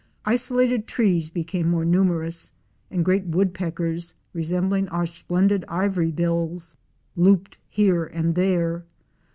Isolated trees be came more numerous, and great Woodpeckers, resembling our splendid Ivory bills, looped here and there.